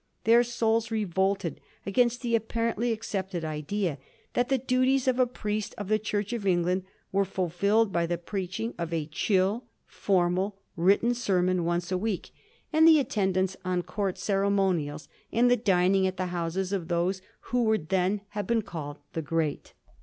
Their souls revolted against the apparently accepted idea that the duties of a priest of the Church of England were fulfilled by the preaching of a chill, formal, written sermon once a week, and the attendance 132 A HISTORY OF THE FOUR GEORGES. cii. zxz. on Court ceremonials, and the dining at the houses of those who would then have been called ''the great."